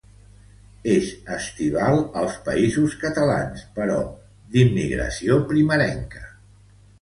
És estival als Països Catalans, però d'immigració primerenca.